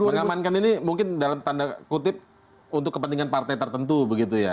mengamankan ini mungkin dalam tanda kutip untuk kepentingan partai tertentu begitu ya